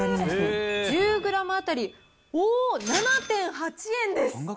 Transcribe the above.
１０グラム当たり、おー、７．８円です。